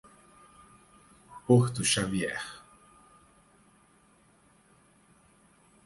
Porto Xavier